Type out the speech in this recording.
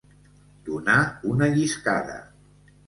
Donar una lliscada.